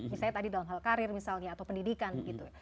misalnya tadi dalam hal karir misalnya atau pendidikan gitu